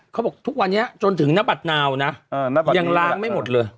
เขาบอกทุกวันนี้จนถึงหน้าบัตรนาวนะเออหน้าบัตรนี้ยังล้างไม่หมดเลย